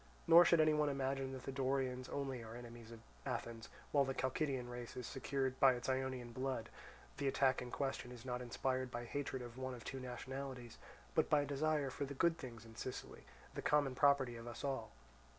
Nor should any one imagine that the Dorians only are enemies of Athens, while the Chalcidian race is secured by its Ionian blood; the attack in question is not inspired by hatred of one of two nationalities, but by a desire for the good things in Sicily, the common property of us all.